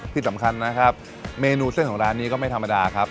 ที่สำคัญนะครับเมนูเส้นของร้านนี้ก็ไม่ธรรมดาครับ